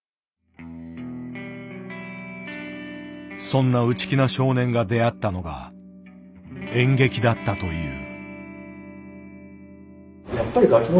そんな内気な少年が出会ったのが演劇だったという。